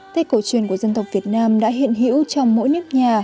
tết cổ truyền của dân tộc việt nam đã hiện hữu trong mỗi nước nhà